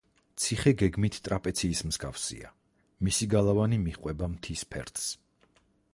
ციხე გეგმით ტრაპეციის მსგავსია, მისი გალავანი მიჰყვება მთის ფერდს.